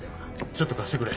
ちょっと貸してくれ。